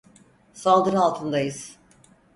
Saldırı altındayız.